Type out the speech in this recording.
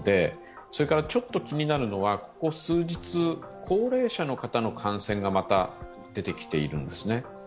それからちょっと気になるのは、ここ数日高齢者の方の感染がまた出てきているんですね。